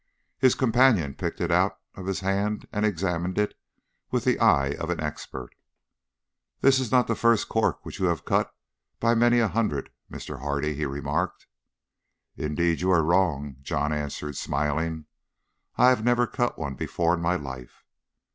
His companion picked it out of his hand and examined it with the eye of an expert. "This is not the first cork which you have cut by many a hundred, Mr. Hardy," he remarked. "Indeed you are wrong," John answered, smiling; "I never cut one before in my life."